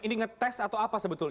ini ngetes atau apa sebetulnya